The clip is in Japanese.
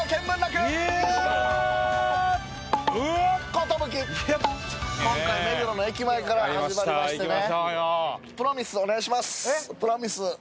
今回、目黒の駅前から始まりましてね。